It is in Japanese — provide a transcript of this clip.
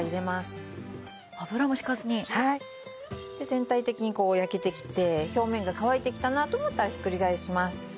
全体的にこう焼けてきて表面が乾いてきたなと思ったらひっくり返します。